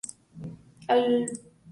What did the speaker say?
Adalberto Almeida y Merino.